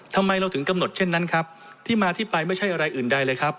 ทำไมเราถึงกำหนดเช่นนั้นครับที่มาที่ไปไม่ใช่อะไรอื่นใดเลยครับ